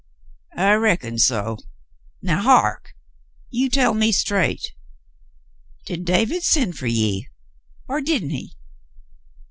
"I reckoned so. Now heark. You tell me straight, did David send fer ye, er didn't he